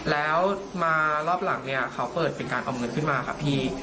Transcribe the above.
แล้วมารอบหลังเนี่ยเขาเปิดเป็นการเอาเงินขึ้นมาค่ะพี่